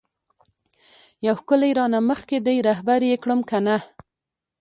یو ښکلی رانه مخکی دی رهبر یی کړم کنه؟